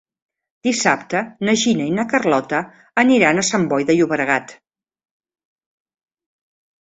Dissabte na Gina i na Carlota aniran a Sant Boi de Llobregat.